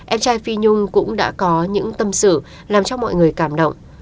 em trai phi nhung cũng đã có những tâm xử làm cho mọi người cảm động